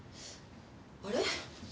あれ？